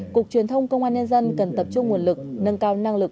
cục truyền thông công an nhân dân cần tập trung nguồn lực nâng cao năng lực